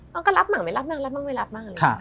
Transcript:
เราก็รับหรือไม่รับรับหรือไม่รับรับหรือไม่รับ